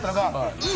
いい！